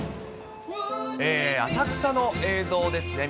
浅草の映像ですね。